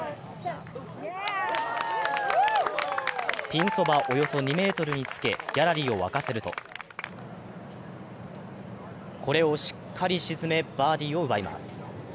ピンそば、およそ２ｍにつけ、ギャラリーを沸かせるとこれをしっかり沈め、バーディーを奪います。